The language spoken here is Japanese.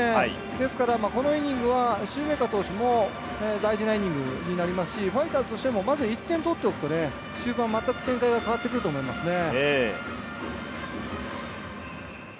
ですからこのイニングはシューメーカー投手も大事なイニングになりますし、ファイターズとしても、まず１点とっておくと、終盤にまったく展開が変わってくると思いますね。